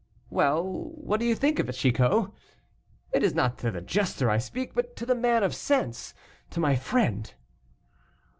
"Well, what do you think of it, Chicot? It is not to the jester I speak, but to the man of sense, to my friend."